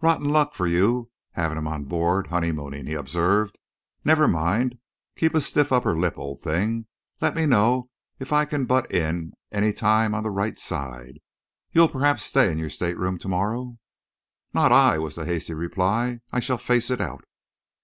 "Rotten luck for you, having 'em on board, honeymooning," he observed. "Never mind, keep a stiff upper lip, old thing. Let me know if I can butt in any time on the right side. You'll perhaps stay in your stateroom to morrow?" "Not I!" was the hasty reply. "I shall face it out."